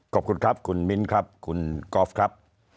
ขอบคุณครับคุณมิ้นครับคุณกอล์ฟครับ